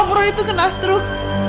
gak mungkin om roy itu kena struk